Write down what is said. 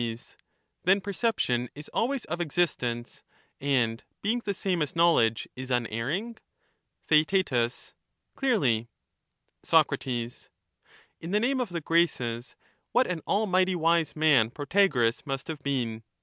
Sac, Then perception is always of existence, and being the same as knowledge is unerring ? Theaet. Clearly. Soc. In the name of the Graces, what an almighty wise man Protagoras must have been